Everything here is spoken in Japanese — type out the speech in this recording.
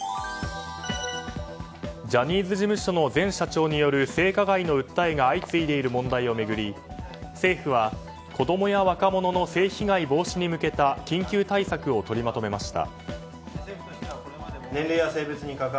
ジャニーズ事務所の前社長による性加害の訴えが相次いでいる問題を巡り政府は、子供や若者の性被害防止に向けた緊急対策を取りまとめました。